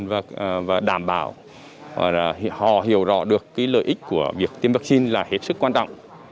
và đảm bảo họ hiểu rõ được cái lợi ích của việc tiêm vaccine là hết sức quan trọng